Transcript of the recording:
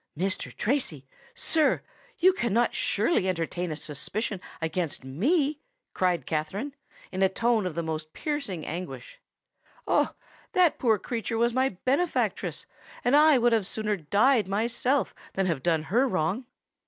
"Mr. Tracy—sir—you cannot surely entertain a suspicion against me!" cried Katherine, in a tone of the most piercing anguish. "Oh! that poor creature was my benefactress; and I would sooner have died myself than have done her wrong!"